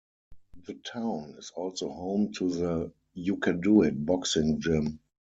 The town is also home to the "U Can Do It" boxing gym.